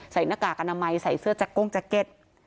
หน้ากากอนามัยใส่เสื้อแจ๊กก้งแจ็คเก็ต